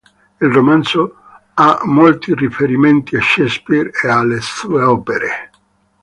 Il romanzo ha molti riferimenti a Shakespeare e alle sue opere.